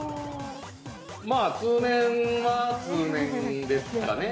◆まあ通年は通年ですかね。